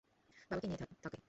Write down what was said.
বাবাকে নিয়েও থাকে।